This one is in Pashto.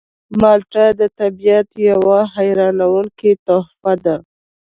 مالټه د طبیعت یوه حیرانوونکې تحفه ده.